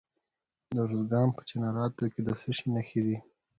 د ارزګان په چنارتو کې د څه شي نښې دي؟